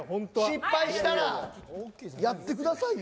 失敗したらやってくださいよ？